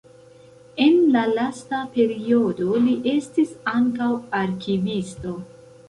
En la lasta periodo li estis ankaŭ arkivisto.